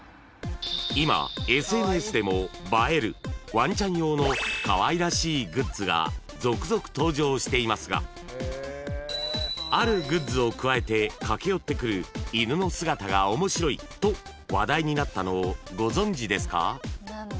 ［今ＳＮＳでも映えるわんちゃん用のかわいらしいグッズが続々登場していますがあるグッズをくわえて駆け寄ってくる犬の姿が面白いと話題になったのをご存じですか？］